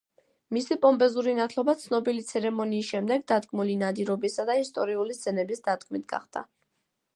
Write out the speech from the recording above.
მისი პომპეზური ნათლობა ცნობილი ცერემონიის შემდეგ დადგმული ნადირობისა და ისტორიული სცენების დადგმით გახდა.